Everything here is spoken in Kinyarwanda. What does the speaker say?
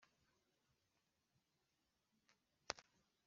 nk’ugerageza kubigisha, bari kwanga kumutega amatwi kubw’agasuzuguro